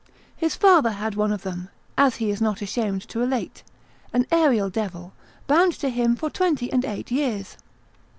His father had one of them (as he is not ashamed to relate), an aerial devil, bound to him for twenty and eight years.